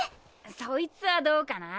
そいつはどうかな。